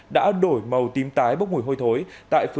đã đổi màu tím tái bốc mùi hôi thối